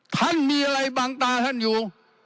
ท่านมีอะไรบางตาท่านอยู่